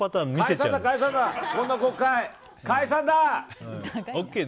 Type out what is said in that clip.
こんな国会解散だ！